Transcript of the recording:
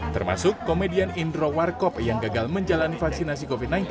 termasuk komedian indro warkop yang gagal menjalani vaksinasi covid sembilan belas